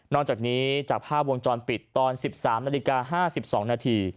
นอกจากนี้จากภาพวงจรปิดตอน๑๓๕๒น